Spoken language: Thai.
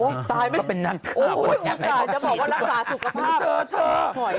โอ๊ยตายไม่ได้โอ๊ยสายจะบอกว่ารักษาสุขภาพเธอ